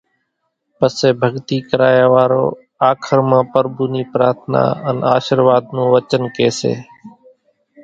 پسي ڀڳتي ڪرايا وارو آخر مان پرڀُو نِي پرارٿنا ان آشرواۮ نون وچن ڪي سي